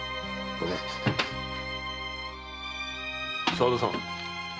沢田さん。